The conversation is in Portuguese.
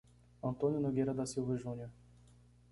Antônio Nogueira da Silva Junior